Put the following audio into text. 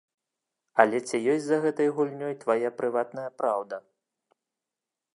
Але ці ёсць за гэтай гульнёй твая прыватная праўда?